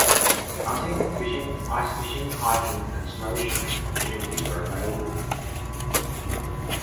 Hunting, fishing, ice fishing, hiking and snowshoeing opportunities are available.